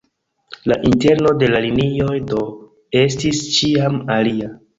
La interno de la linioj do estis ĉiam alia.